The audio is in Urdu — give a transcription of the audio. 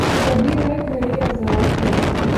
کبھی ہر گھڑی عذاب ہے